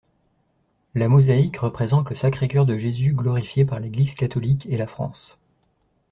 La mosaïque représente le Sacré-Cœur de Jésus glorifié par l’Église catholique et la France.